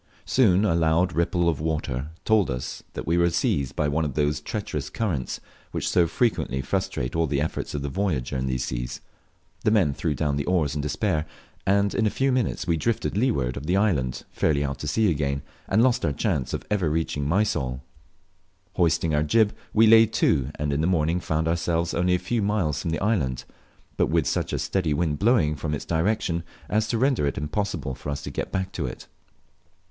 Soon a laud ripple of water told us we were seized by one of those treacherous currents which so frequently frustrate all the efforts of the voyager in these seas; the men threw down the oars in despair, and in a few minutes we drifted to leeward of the island fairly out to sea again, and lost our last chance of ever reaching Mysol! Hoisting our jib, we lay to, and in the morning found ourselves only a few miles from the island, but wit, such a steady wind blowing from its direction as to render it impossible for us to get back to it.